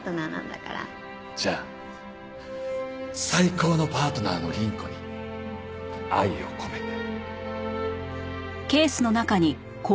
じゃあ最高のパートナーの倫子に愛を込めて。